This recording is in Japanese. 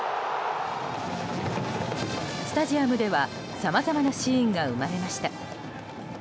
スタジアムではさまざまなシーンが生まれました。